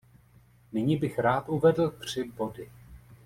Nyní bych rád uvedl tři body.